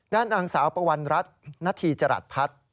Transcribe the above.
ด้านดังสาวปวัญรัฐนะธีจรรย์ภาค